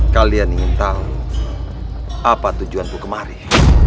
kalian ingin tahu apa tujuanku kemari